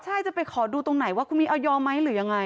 ใช่จะไปขอดูตรงไหนว่าคุณมีออยอมไหมหรือยังไง